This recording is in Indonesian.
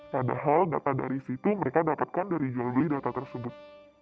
padahal data dari situ mereka dapatkan dari jual beli data tersebut